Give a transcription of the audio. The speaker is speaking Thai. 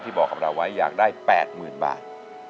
ที่บอกกับเราว่าอยากได้๘หมื่นบาท